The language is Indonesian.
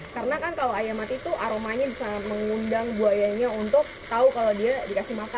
karena kan kalau ayam mati itu aromanya bisa mengundang buayanya untuk tahu kalau dia dikasih makan gitu ya